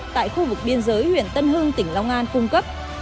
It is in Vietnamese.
khu vực biên giới huyện tân hương tỉnh long an cung cấp